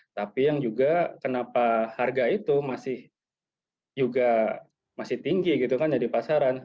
tapi yang juga kenapa harga itu masih juga masih tinggi gitu kan ya di pasaran